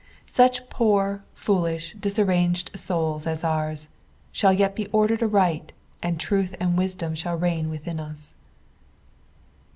Sucn poor, foolish, dis arranged souls as ours, shall yet be ordered aright, and truth and wisdom shall reign within us.